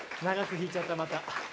長く弾いちゃったまた。